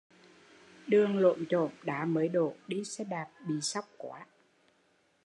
Đường lổm chổm đá mới đổ, đi xe đạp bị xóc quá